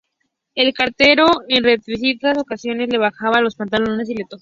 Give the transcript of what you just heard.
El cartero en repetidas ocasiones le bajaba los pantalones y la tocaba.